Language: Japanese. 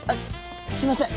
すいません。